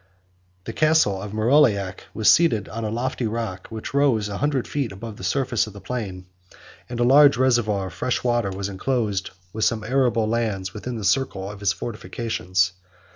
The castle of Meroliac 105 was seated on a lofty rock, which rose a hundred feet above the surface of the plain; and a large reservoir of fresh water was enclosed, with some arable lands, within the circle of its fortifications.